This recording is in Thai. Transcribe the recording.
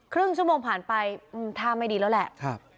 ครึ่งชั่วโมงผ่านไปท่าไม่ดีแล้วแหละ